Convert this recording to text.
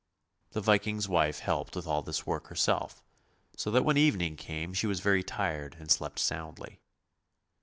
The Viking's wife helped with all this work herself, so that when evening came she was very tired and slept soundly.